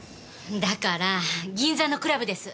だから銀座のクラブです。